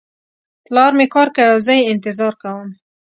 پلار مې کار کوي او زه یې انتظار کوم